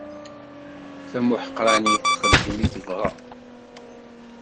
Tamuḥeqranit txeddem i tebɣa.